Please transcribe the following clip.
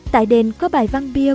tại đền có bài văn bia